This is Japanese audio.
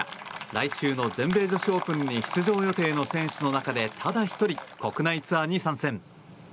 来週の全米女子オープンに出場予定の選手の中でただ１人、国内ツアーに参戦。